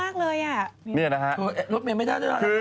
ขี้น่าจะน่ารักมากเลยอ่ะ